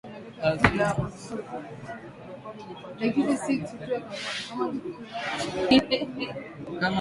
Kama banakupa kitu shukurani niya lazima